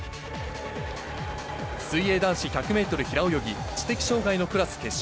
水泳男子１００メートル平泳ぎ、知的障がいのクラス決勝。